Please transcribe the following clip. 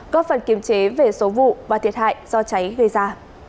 góp phần kiểm chế về số vụ và thiệt hại do cháy gây ra